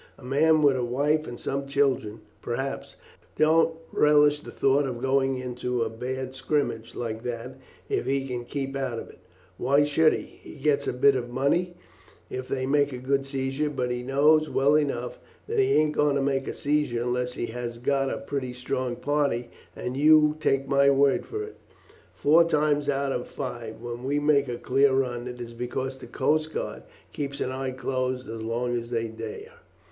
A man with a wife and some children, perhaps, don't relish the thought of going into a bad scrimmage like that if he can keep out of it; why should he? He gets a bit of money if they make a good seizure, but he knows well enough that he ain't going to make a seizure unless he has got a pretty strong party; and you take my word for it, four times out of five when we make a clear run, it is because the coast guard keep an eye closed as long as they dare.